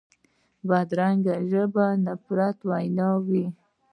بدرنګه ژبه د نفرت وینا وي